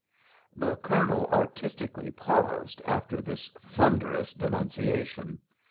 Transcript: The Colonel artistically paused after this thunderous denunciation.